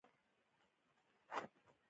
رئیس جمهور خپلو عسکرو ته امر وکړ؛ چمتو!